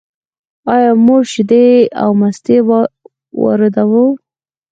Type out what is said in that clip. آیا موږ شیدې او مستې واردوو؟